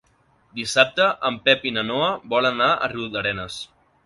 Dissabte en Pep i na Noa volen anar a Riudarenes.